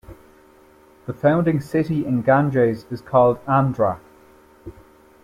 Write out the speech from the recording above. The founding city in Ganges is called Andhra.